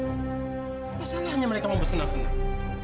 apa salahnya mereka mau bersenang senang